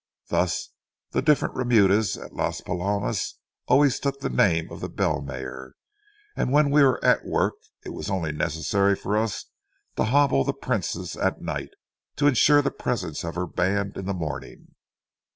Thus the different remudas at Las Palomas always took the name of the bell mare, and when we were at work, it was only necessary for us to hobble the princess at night to insure the presence of her band in the morning.